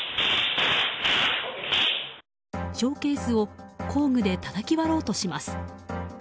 ショーケースを工具でたたき割ろうとします。